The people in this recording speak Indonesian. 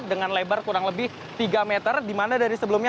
dengan lebar kurang lebih tiga meter di mana dari sebelumnya